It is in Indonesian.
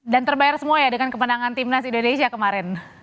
dan terbayar semua ya dengan kemenangan timnas indonesia kemarin